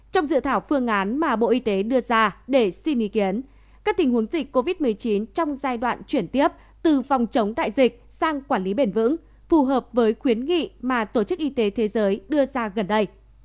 trong dự thảo phương án mà bộ y tế đưa ra để xin ý kiến các tình huống dịch covid một mươi chín trong giai đoạn chuyển tiếp từ phòng chống đại dịch sang quản lý bền vững phù hợp với khuyến nghị mà tổ chức y tế thế giới đưa ra gần đây